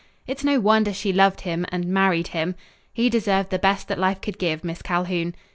"It's no wonder she loved him and married him." "He deserved the best that life could give, Miss Calhoun."